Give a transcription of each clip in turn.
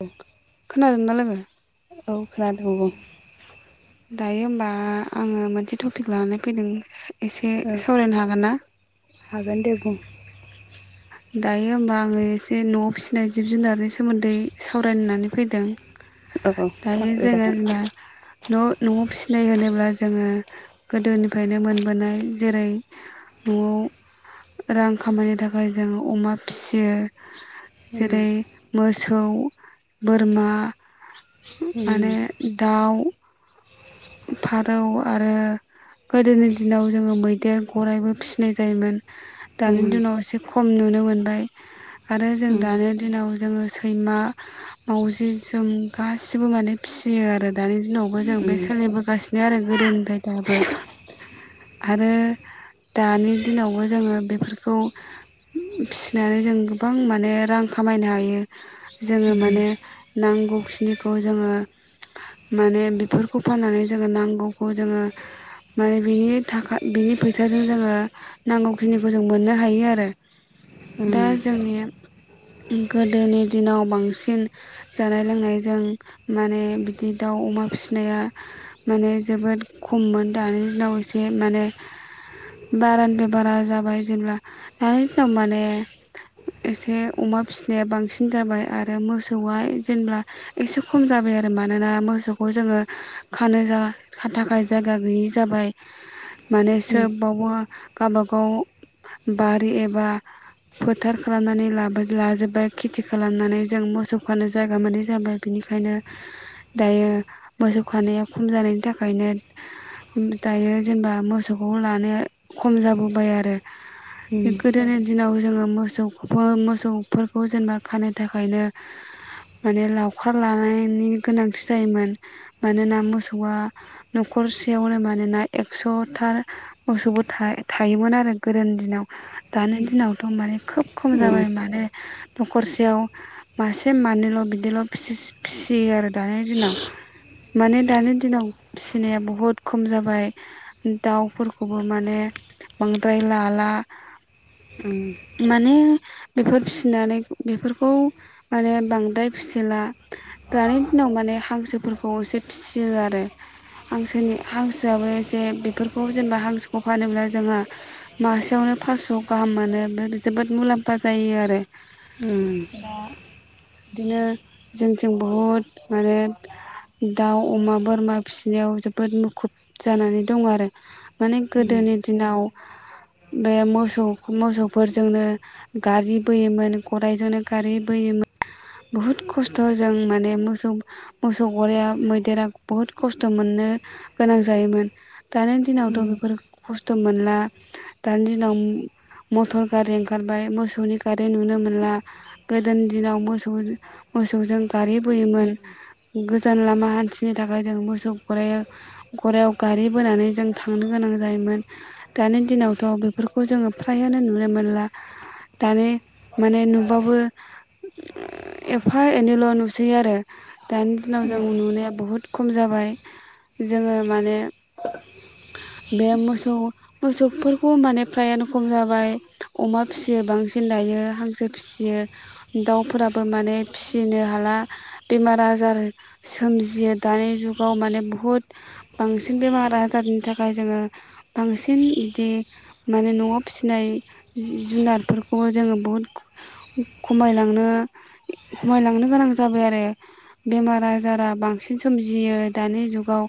औ खोनादोंना लोगो? [unintelligible] दायो होमबा आङो मोनसे टपिक लानानै फैदों। एसे ओ सावरायनो हागोन ना हागोन दे बुं दायो होमबा आङो एसे न'आव फिसिनाय जिब जुनारनि सोमोन्दै सावरायनानै फैदों। औ औ दायो जोंङो सावरायजागोन होनबा न' न'आव फिसिनाय होनोब्ला जोङो गोदोनिफ्रायनो मोनबोनाय जेरै न'आव रां खामायनो थाखाय जोङो अमा फिसियो उम जेरै मोस मोसौ, बोरमा उम माने दाउ फारौ आरो गोदोनि दिनाव जोङो मैदेर गराइबो फिसिनाय जायोमोन। दानि उम दिनाव इसे खम नुनो मोनबाय आरो जों उम दानो दिनाव जोङो सैमा मावजि जोम गासिबो माने फिसियो आरो दानि दिनावबो जों बे उम उम सोलिबोगासिनो आरो गोदोनिफ्राय दाबो आरो दानि दिनावबो जोङो बेफोरखौ फिसिनानै जों गोबां माने रां खामायनो हायो। जोङो उम माने नांगौखिनिखौ जोङो माने बे खौ फाननानै जोङो नांगौखौ जोङो माने बिनि थाखा बिनि फैसाजों जोङो नांगौखिनिखौ जों मोननो हायो आरो उम दा जोंनि गोदोनि दिनाव बांसिन जानाय लोंनायजों माने बिदि दाउ अमा फिसि फिसिनाया माने जोबोद खममोन दानि दिनाव एसे माने बारानिफ्राय बारा जाबाय जेनेब्ला दानि दिनाव माने एसे अमा फिसिनाया बांसिन जाबाय आरो मोसौआ जेबब्ला एसे खम जाबाय आरो मानोना मोसौखौ जोङो खानो थाखाय जायगा गैयि जाबाय माने सोबावबो गबागाव बारि एबा फोथार खालामनानै लाजोबबाय खेथि खालामनानै जों मोसौ खानो जायगा मोनै जाबाय बिनिखायनो दायो मोसौ खानाया खम जानायनि थाखायनो दायो जेनेबा मोसौखौ लानाया खम जाबोबाय आरो। बे गोदोनि दिनाव जोङो मोसौ मोसौफोरखौ जेनेबा खानो थाखायनो माने लावखार लानायनि गोनांथि जायोमोन। मानोना मोसौआ न'खरसेयावनो मानोना एक्स'था मोसौबो थायोमोन आरो गोदोनि दिनाव दानि दिनावथ' माने खोब खम जाबाय माने नखरसेयाव मासे मानैल' बिदिल' फिसियो आरो दानि दिनाव। माने दानि दिनाव फिसिनाया बहुद खम जाबाय दाउफोरखौबो माने बांद्राय लाला माने [inaudible] बेफोर फिनानै बेफोरखौ माने बांद्राय फिसिला दानि दिनाव माने हांसोफोरखौ एसे फियो आरो हांसोनि हांसोआबो एसे बेफोरखौ जेनेबा हांसोखौ फानोब्ला जोंहा मासेयावनो फास्स' गाहाम मोनो बे जोबोद मुलाम्फा जायो आरो उम दा बिदिनो जोंथिं बहुद माने दाउ अमा बोरमा फिसिनायाव जोबोद मुखुब जानानै दं आरो। माने गोदोनि दिनाव बे मोसौ मोसौफोरजोंनो गारि बोयोमोन गरायजोंनो गारि बोयोमोन। बुहुद खस्थ'जों माने मोसौ मोसौ गरायआ मैदेरा बुहुद खस्थ' मोननो गोनां जायोमोन। दानि दिनावथ' बेफोर खस्थ स्थ' मोनला दानि दिनाव मटर गारि ओंखारबाय मोसौनि गारि नुनो मोनला गोदोनि दिनाव मोसौ मोसौजों गारि उम बोयोमोन गोजान लामा हान्थिनो थाखाय जों मोसौ गरायाव गरायाव गारि बोनानै जों थांनो गोनां जायोमोन दानि दिनावथ' बेफोरखौ जोङो फ्राय आनो नुनो मोनला दानि माने नुबाबो एफा एनैल' नुसै आरो दानि दिनाव उम जों नुनाया बुहुत खम जाबाय जोङो माने बे मोसौ मोसौफोरखौ माने फ्रायानो खम जाबाय अमा फिसियो बांसिन दायो हांसो फिसियो दाउफोरा बो माने फिसिनो हाला बेमार आजार सोमजियो दानि जुगाव माने बुहुद बांसिन बेमार आजारनि थाखाय जोङो बांसिन बिदि माने न'आव फिसिनाय जि जुनारफोरखौबो जोङो बुहुद खमायलांनो खमायलांनो गोनां जाबाय आरो बेमार आजारा बांसिन सोमजियो दानि जुगाव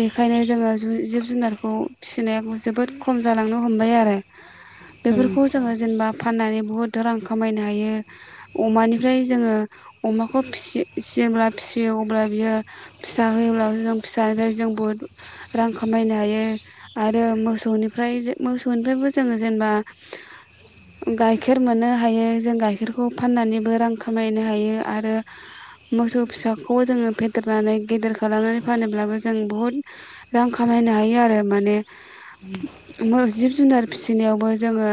बेखायनो जोङो जिब जुनारखौ फिसिनाया जोबोद खम जालांनो हमबाय आरो। बेफोरखौ जोङो जेनेबा फाननानै बहुद रां खामायनो हायो। अमानिफ्राय जोङो अमाखौ फिसि फिसियो अब्ला बियो फिसा होयोब्लाबो जों फिसानिफ्राय जों बुहुद रां खामायनो हायो आरो मोसौनिफ्राय मोसौनिफ्रायबो जोङो जेनबा गाइखेर मोननो हायो जों गाइखेरखौ फाननानैबो रां खामायनो हायो आरो मोसौ फिसाखौ जोङो फेदेरनानै गेदेर खालामनानै फानोब्लाबो जों बहुद रां खामायनो हायो आरो माने। मो जिब जुनार फिसिनायावबो जोङो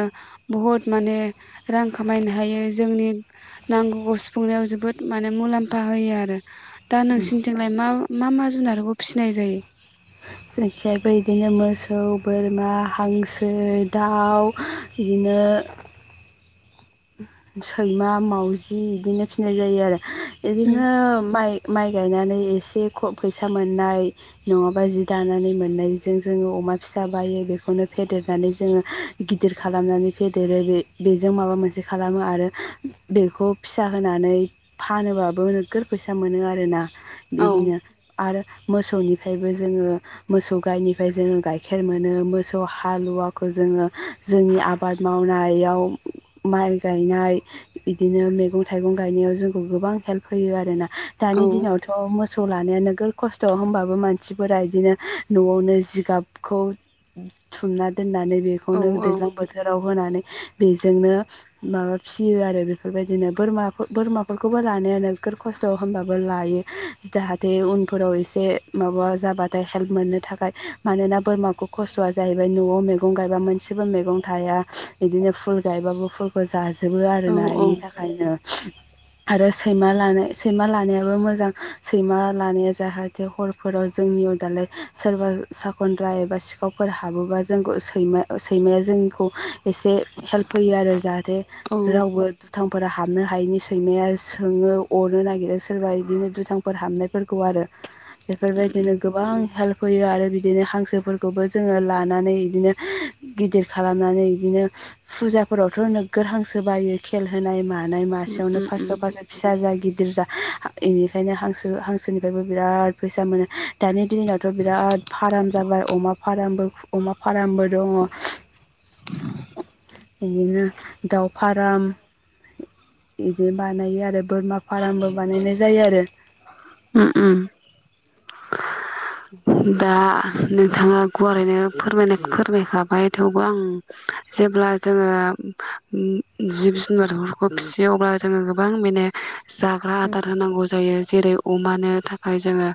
बहुद माने रां खामायनो हायो जोंनि नांगौखौ सुफुंनायाव जोबोद माने मुलाम्फा होयो आरो। दा जोंनिथिंजायबो नोंसिनिथिंलाय मा मा मा जुनारखौ फिसिनाय जायो? जेखिजायबो बिदिनो मोसौ बोरमा हांसो दाउ इदिनो सैमा मावजि इदिनो फिनाय जायो आरो। इदिनो माइ माइ गायनानै एसे फैसा मोननाय नङाबा जि दानानै मोननायजों जोङो अमा फिसा बायो बेखौनो फेदेरनानै जोङो गिदिर खालामनानै फेदेरो बे बेजों माबा मोनसे खालामो आरो बेखौ फिसा होनानै फानोबाबो नोगोद फैसा मोनो आरोना। औ बेदिनो आरो मोसौनिफ्रायबो जोङो मोसौ गायनिफ्राय जोङो गाइखेर मोनो मोसौ हालुवाखौ जोङो जोंनि आबाद मावनायाव माइ गायनाय बिदिनो मैगं थाइगं गायनायाव जोंखौ गोबां हेल्प होयो आरो ना। औ दानि दिनावथ' मोसौ खौ लानो नोगोर खस्थ' होमबाबो मानसिफोरा बिदिनो न'आवनो जिगाबखौ थुमना दोननानै औ बेखौनो दैज्लां बोथोराव होनानै बेजोंनो माबा फिसियो आरो बेफोरबायदिनो बोरमा बोरमाफोरखौबो लानायानो बिफोर खस्थ' होनबाबो लायो जाहाथे उनफोराव एसे माबा जाबाथाय हेल्प मोननो थाखाय मानोना बोरमाखौ खस्थ'आ जाहैबाय न'आव मैगं गायबा मोनसेबो मैगं थाया इदिनो फुल गायबाबो फुलखौ जा जोबो आरोना औ इनि थाखायनो। आरो सैमा लानाय सैमा लानायाबो मोजां सैमा लानाया जाहाथे हरफोराव जोंनियाव दालाय सोरबा साखनद्रा एबा सिखावफोर हाबोबा जोंखौै सैमा सैमाया जोंखौ एसे हेल्प होयो आरो। जाहाथे औ रावबो दुथां फोरा हाबनो हायैनि सैमाया सोङो अरनो नागिरो सोरबा बिदिनो दुथांफोर हाबनायफोरखौ आरो। बेफोरबायदिनो गोबां हेल्प फैयो आरो बिदिनो हांसोफोरखौबो जोङो लानानै बिदिनो गिदिर खालामनानै बिदिनो फुजाफोराव नोगोर हांसो बायो खेल होनाय मा मानाय उम मासेयावनो उम उम फास्स' फास्स' फिसा जायो। गिदिर जा इनिखायनो हांसो हांसोनिफ्रायबो बिराद फैसा मोनो दानि दिनावथ' बिराद फाराम जाबाय अमा फाराम अमा फारामबो दङ बिदिनो दाव फाराम बिदि बानायो आरो बोरमा फारामबो बानायनाय जायो आरो। ओम ओम। दा नोंथाङा गुवारैनो फोरमाय फोरमायखाबाय थेवबो आं जेब्ला जोङो जिब जुनारफोरखौ फिसियो अब्ला जोङो गोबां माने जाग्रा आदार होनांगौ जायो जेरै अमानो थाखाय जोङो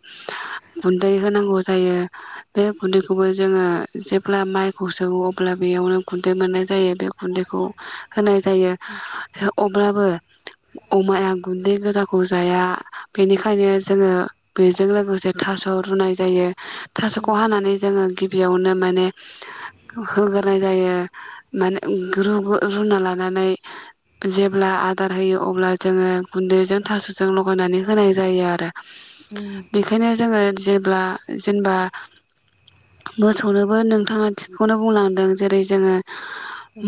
गुन्दै होनांगौ जायो बे गुन्दैखौबो जोङो जेब्ला माइखौ सौवो अब्ला बेयावनो गुन्दै मोननाय जायो बे गुन्दैखौ होनाय जायो। अब्लाबो अमाया गुन्दै गोजाखौ जाया बेनिखायनो जोङो बेजों लोगोसे थास' रुनाय जायो। थास'खौ हानानै जोङो बेयावनो माने होग्रोनाय जायो माने रु-रुना लानानै जेब्ला आदार होयो अब्ला जोङो गुन्दैजों थास'जों लगायनानै होनाय जायो आरो। उम उम बेखायनो जोङो जे जेब्ला जेनेबा मोसौनोबो नोंथाङा थिगखौनो बुंलांदों जेरै जोङो उम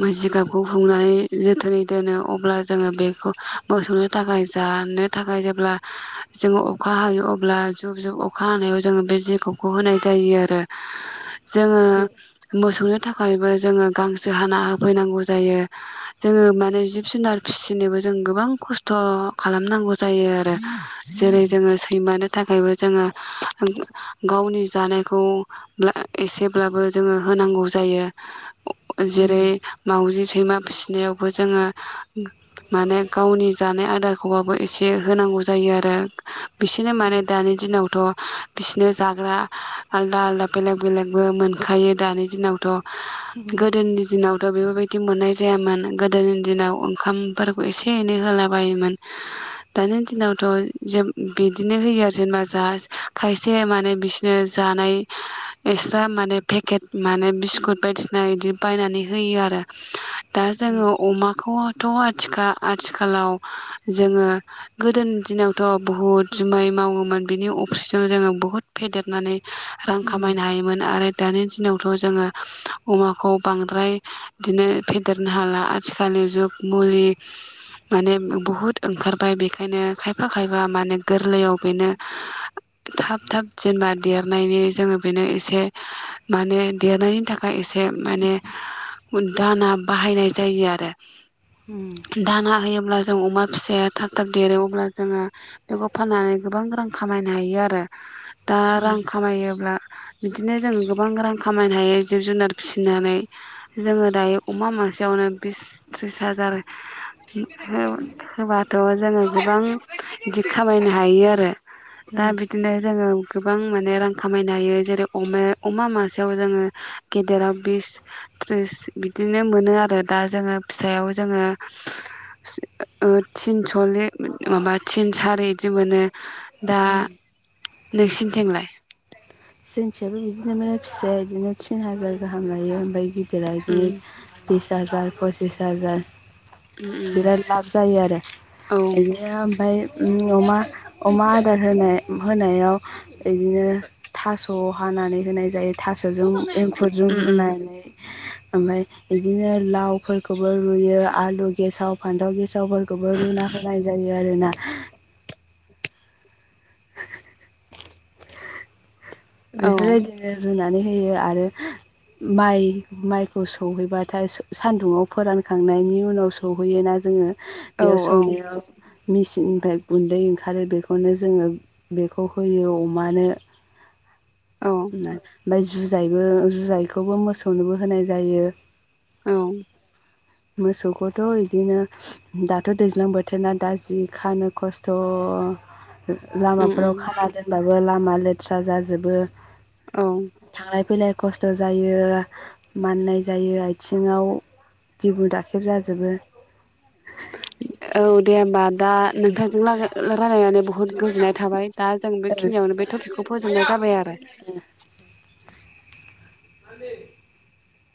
मजिगाब गफुंनानै जोथोनै दोनो अब्ला जोङो बेखौ मोसौनो थाखाय जानो थाखाय जेब्ला जोङो अखा हायो अब्ला जुब जुब अखा अखा हानायाव जोङो बे जिखौखौ होनाय जायो आरो। जोङो जे मोसौनो थाखायबो जोङो गांसो हाना होफैनांगौ जायो जोङो माने जिब जुनार फिसिनोबो जों गोबां खस्थ' खालामनांगौ जायो आरो। जेरै जोङो सैमानो नों थाखायबो जोङो गावनि जानायखौ एसेब्लाबो जोङो होनांगौ जायो। उम जेरै माउजि सै सैमा फिसिनायावबो जोङो माने गावनि जानाय आदारखौबाबो एसे होनांगौ जायो आरो। बिसोरनो माने दानि दिनाव थ' बिसिनो जाग्रा आलदा आलदा बेलेक बेलेगबो मोनखायो दानि दिनावथ' उम गोदोनि दिनाव थ' बेफोरबायदि मोननाय जायामोन गोदोनि दिनाव ओंखामफोरखौ एसे एनै होलाबायोमोन दानि दिनावथ' ज बिदिनो होयो आरो जेनेबा जा खायसे माने बिसिनो जानाय एक्सट्रा माने पेकेट माने बिस्कुट बायदिसिना बिदि बायनानै होयो आरो। दा जोङो अमाखौ थ' आथिखा-आथिखालाव जोङो गोदोनि दिनावथ' बुहुद जुमाय मावोमोन बिनि ओंख्रिजों जोङो बुहुत फेदेरनानै रां उम खामायनो हायोमोन आरो दानि दिनावथ' जोङो अमाखौ बांद्राय बिदिनो फेदेरनो हाला आथिखालनि जुग मुलि माने बहुद ओंखारबाय बेखायनो खायफा खायफा माने गोरलैयाव बेनो थाब थाब जेनेबा देरनायनि जोङो बेनो एसे माने देरनायनि थाखाय एसे माने दाना बाहायनाय जायो आरो उम दाना होयोब्ला जों अमा फिसाया थाब थाब देरो अब्ला जोङो बेखौ फाननानै गोबां रां खामायनो हायो आरो दा उम रां खामायोब्ला बिदिनो जों गोबां रां खामायनो हायो जिब जुनार फिसिनानै जोङो दायो अमा मासेयावनो बिस थ्रिस हाजार हो होबाथ' जोङो गोबां बिदि खामायनो हायो आरो दा उम बिदिनो जोङो गोबां माने रां खामायनो हायो जेरैम अमा-अमा मासेयाव जोङो गेदेराव बिस थ्रिस बिदिनो मोनो आरो दा जोङो फिसायाव जोङो थिन सललि ओ माबा थिन सारि बिदि मोनो दा नोंसिनिथिंलाय? जोंथिजायबो बिदिनो मोनो फिसाया बिदिनो थिन हाजार गाहाम लायो ओमफ्राय गिदि दिरा उम बिदिनो बिस हाजार पसिस हाजार उम बिराद लाब जायो आरो उम औ बिदिनो ओमफ्राय अमा अमा आदार होनाय होनायाव इदिनो थास' हानानै होनाय जायो थास'जों एंखुरजों उम उम रुनानै ओमफ्राय बिदिनो लावफोरखौबो रुयो आलु गेसाव फान्थाव गेसाव‌ सावफोरखौबो रुना होनाय जायो आरोना औ बेफोरबायदिनो रुनानै हो होयो आरो माइ माइखौ सौहैबाथाय सान्दुंआव फोरानखांनायनि उनाव सौहैयोना जोङो औ बेयाव औ सौनायाव मेसिननिफ्राय गुन्दै ओंखारो बेखौनो जोङो बेखौ होयो अमानो [unintelligible] औ ओमफ्राय जुजायबो जुजायखौबो मोसौनोबो होनाय जायो औ मोसौखौथ' बिदिनो दाथ' दैज्लां बोथोरा दा जि खानो खस्थ' उम लामाफोराव उम खाना दोनबाबो लामा मा लेथ्रा जाजो बो औ थांलाय फैलाय खस्थ' जायो माननाय जायो आथिङाव दिगुन राखेब जाजोबो। औ दे होमबा दा नोंथांजों राय- रायलायनानै बहुद गोजोननाय थाबाय। दा जों जाजोबो बेखिनियावनो बे टपिकखौ फोजोबनाय जाबाय आरो। [inaudible]